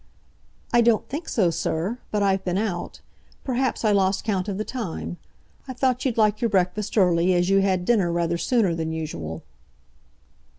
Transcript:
"I don't think so, sir, but I've been out. Perhaps I lost count of the time. I thought you'd like your breakfast early, as you had dinner rather sooner than usual."